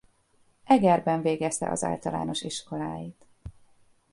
Egerben végezte az általános iskolát.